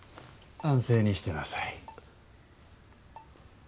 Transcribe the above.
安静にしてなさ